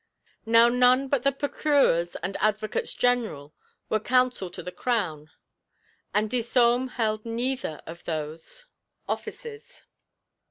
Now none but the Procurors and Advocates General were counsel to the Crown, and Disome held neither of those offices.